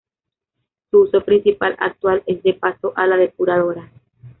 Su uso principal actual es de paso a la depuradora.